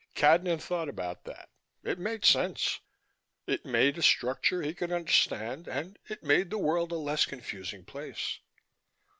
Cadnan thought about that. It made sense: it made a structure he could understand, and it made the world a less confusing place.